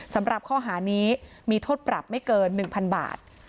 สำหรับข้อหานี้มีโทษปรับไม่เกิน๑๐๐๐บาท